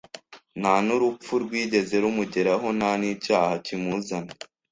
Nta n'urupfu rwigeze rumugeraho nta n'icyaha kimuzana